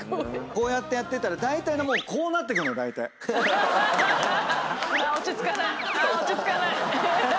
こうやってやってたらこうなってくんのだいたい。